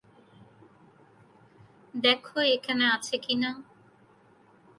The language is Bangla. দেখ এখানে আছে কিনা!